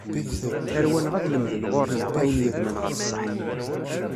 Tarwa-nneɣ ad lemden ɣur-neɣ, ayen yebnan ɣef ṣṣaḥ.